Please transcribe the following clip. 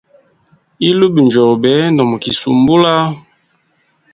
Ilubi njobe, ndomikisumbula.